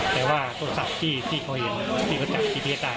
แต่ว่าโทรศัพท์ที่เขาเห็นที่เขาจับพี่เบี้ยได้